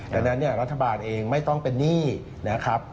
ดังนั้นเนี่ยรัฐบาลเองไม่ต้องเป็นหนี้นะครับ